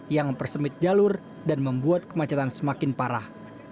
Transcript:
yang mempersemit jalur dan membuat kemacetan semakin parah